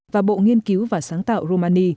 và bộ nghiên cứu và sáng tạo